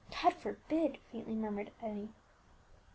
"God forbid!" faintly murmured Emmie.